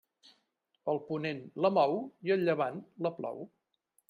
El ponent la mou i el llevant la plou.